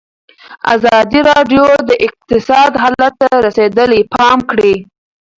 ازادي راډیو د اقتصاد حالت ته رسېدلي پام کړی.